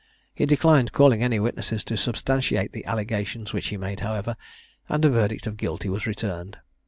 He declined calling any witnesses to substantiate the allegations which he made, however, and a verdict of guilty was returned.